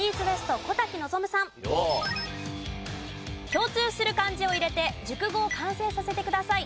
共通する漢字を入れて熟語を完成させてください。